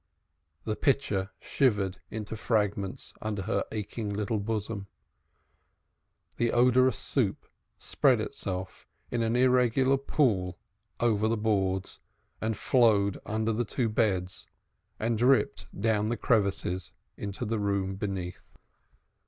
The pitcher shivered into fragments under her aching little bosom, the odorous soup spread itself in an irregular pool over the boards, and flowed under the two beds and dripped down the crevices into the room beneath.